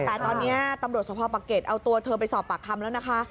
แต่ตอนนี้ตำรวจสภปะเก็ตเอาตัวเธอไปสอบปากคำแล้วนะคะ